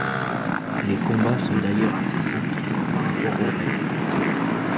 Les combats sont d'ailleurs assez simplistes par rapport au reste.